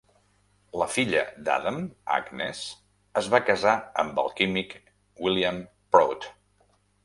La filla d'Adam, Agnes, es va casar amb el químic William Prout.